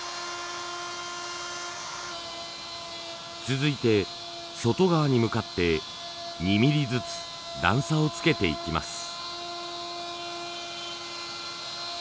続いて外側に向かって２ミリずつ段差をつけていきます。